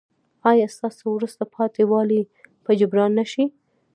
ایا ستاسو وروسته پاتې والی به جبران نه شي؟